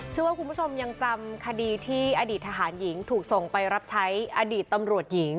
คุณผู้ชมยังจำคดีที่อดีตทหารหญิงถูกส่งไปรับใช้อดีตตำรวจหญิง